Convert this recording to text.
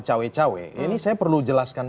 cawe cawe ini saya perlu jelaskan